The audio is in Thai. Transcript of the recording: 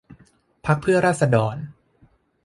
พรรคเพื่อราษฎร